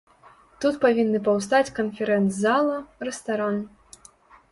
Тут павінны паўстаць канферэнц-зала, рэстаран.